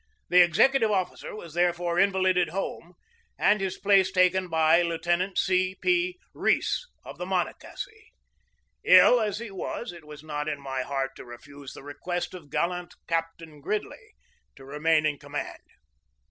The executive officer was therefore invalided home and his place taken by Lieutenant C. P. Rees, of the Monocacy. Ill as he was, it was not in my heart to refuse the request of gallant Captain Gridley to remain in com mand.